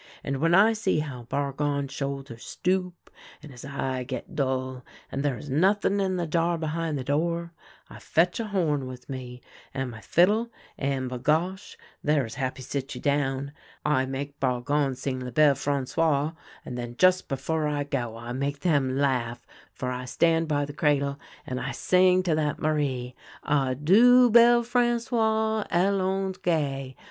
And when I see how Bargon shoulders stoop and his eye get dull, and there is nothing in the jar behin' the door, I fetch a horn with me, and my fiddle, and, bagosh ! there is happy sit you down. I make Bargon sing ' La Belle A SON OF THE WILDERNESS 129 Franqoise,' and then just before I go I make them laugh, for I stand by the cradle and I sing to that Marie :*'' Adieu, belle Fran9oise ; Allons gai